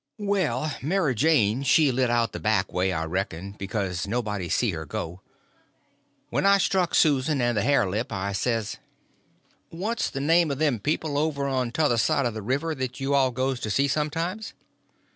Well, Mary Jane she lit out the back way, I reckon; because nobody see her go. When I struck Susan and the hare lip, I says: "What's the name of them people over on t'other side of the river that you all goes to see sometimes?"